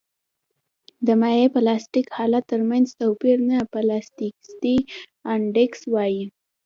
د مایع او پلاستیک حالت ترمنځ توپیر ته پلاستیسیتي انډیکس وایي